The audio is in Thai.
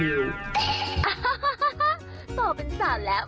ต่อเป็นสาวแล้ว